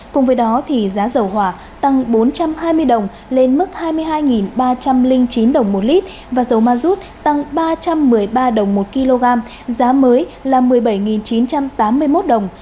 cùng với đó giá dầu hỏa tăng bốn trăm hai mươi đồng lên mức hai mươi hai ba trăm linh chín đồng một lít và dầu ma rút tăng ba trăm một mươi ba đồng một kg giá mới là một mươi bảy chín trăm tám mươi một đồng